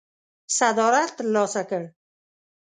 صدارت ترلاسه کړ.